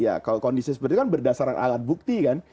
ya kalau kondisi seperti itu kan berdasarkan alat bukti kan